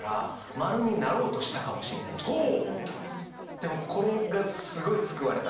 でもこれがすごい救われた。